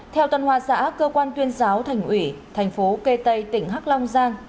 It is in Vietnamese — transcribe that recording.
theo toàn hòa giã cơ quan tuyên giáo thành ủy thành phố kê tây tỉnh hắc long giang